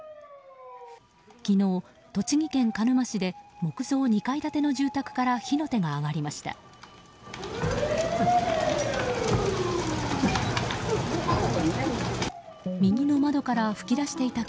昨日、栃木県鹿沼市で木造２階建ての住宅から火の手が上がりました。